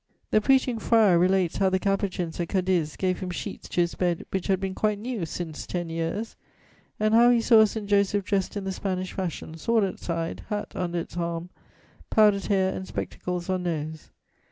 The Preaching Friar relates how the Capuchins, at Cadiz, gave him sheets to his bed which had been quite new since ten years, and how he saw a St. Joseph dressed in the Spanish fashion, sword at side, hat under its arm, powdered hair, and spectacles on nose.